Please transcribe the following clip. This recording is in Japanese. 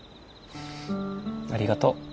ありがとう。